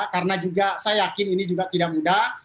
karena juga saya yakin ini juga tidak mudah